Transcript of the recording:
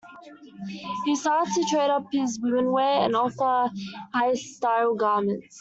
He started to "trade up" his women's wear and offer higher style garments.